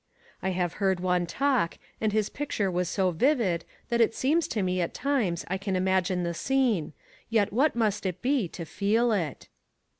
I have heard one talk, and his picture was so vivid that it seems to me at times I can imagine the scene, yet what must it be to feel it?